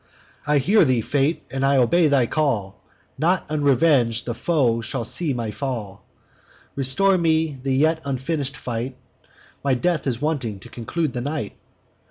I hear thee, Fate; and I obey thy call! Not unreveng'd the foe shall see my fall. Restore me to the yet unfinish'd fight: My death is wanting to conclude the night.